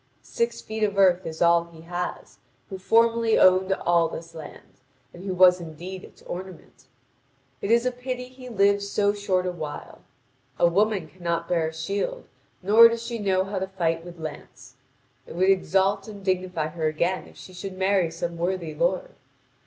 Six feet of earth is all he has, who formerly owned all this land, and who was indeed its ornament. It is a pity he lived so short a while. A woman cannot bear a shield, nor does she know how to fight with lance. It would exalt and dignify her again if she should marry some worthy lord.